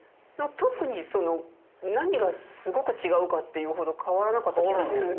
特にその何がすごく違うかっていうほど変わらなかった気がするんですよね。